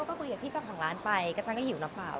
ก็คุยกับพี่เจ้าของร้านไปกระจังก็หิวหรือเปล่า